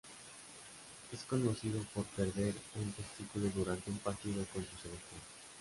Es conocido por perder un testículo durante un partido con su selección.